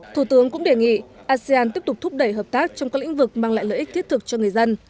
thủ tướng cũng đề nghị asean tiếp tục thúc đẩy hợp tác trong các lĩnh vực mang lại lợi ích thiết thực cho người dân